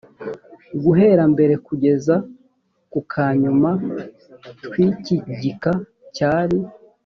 guhera mbere kugeza ku ka nyuma tw iki gika cyari